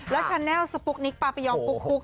และแชนแนลสปุ๊กนิคปราปริยองกุ๊กกุ๊ก